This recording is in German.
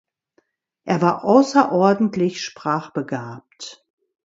Er war außerordentlich sprachbegabt.